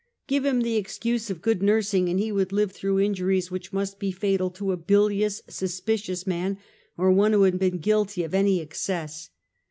Give him the excuse of good nursing and he would live through injuries which must be fatal to a bilious, suspicious man, or one who had been guilty of any excess.